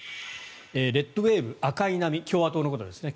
レッドウェーブ、赤い波共和党のことですね。